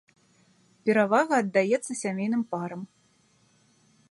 Перавага аддаецца сямейным парам.